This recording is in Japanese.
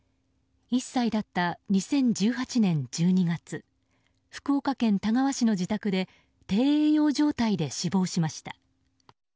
１歳だった２０１８年１２月福岡県田川市の自宅で低栄養状態で死亡しました。